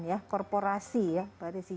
ya korporasi ya mbak desi